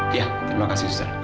iya terima kasih sudah